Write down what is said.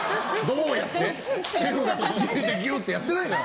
シェフが口に入れてぎゅってやってないから！